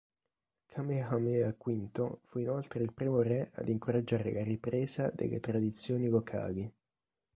Kamehameha V fu inoltre il primo re ad incoraggiare la ripresa delle tradizioni locali.